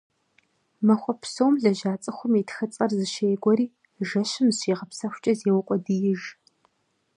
Махуэ псом лэжьа цӏыхум и тхыцӏэр зэщегуэри, жэщым, зыщигъэпсэхукӏэ, зеукъуэдииж.